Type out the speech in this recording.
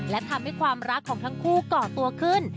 และทำให้ความรักของทั้งคู่ก่อตัวขึ้น